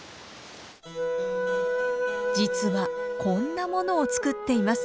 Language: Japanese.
実はこんなものを作っています。